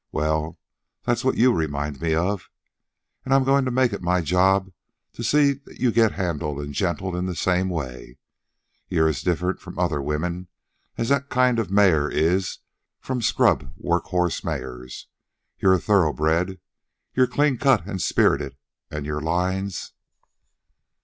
Well, that's what you remind me of. And I'm goin' to make it my job to see you get handled an' gentled in the same way. You're as different from other women as that kind of a mare is from scrub work horse mares. You're a thoroughbred. You're clean cut an' spirited, an' your lines...